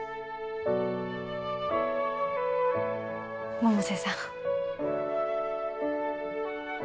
百瀬さん